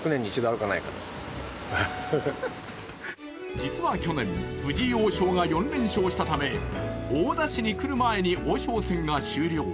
実は去年藤井王将が４連勝したため大田市に来る前に対局が終了。